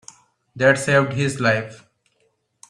That saved his life.